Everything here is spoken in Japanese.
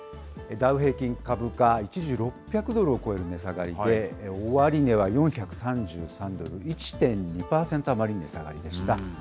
ダウ平均株価、一時６００ドルを超える値下がりで、終値は４３３ドル、１．２％余り値下がりました。